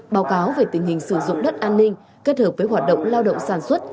báo cáo về tình hình sử dụng đất an ninh kết hợp với hoạt động lao động sản xuất